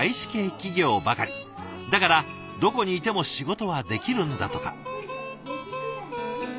だからどこにいても仕事はできるんだとか。